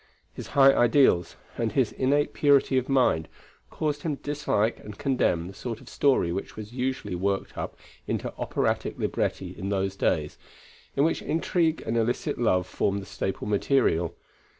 His high ideals, and his innate purity of mind, caused him to dislike and condemn the sort of story which was usually worked up into operatic libretti in those days, in which intrigue and illicit love formed the staple material.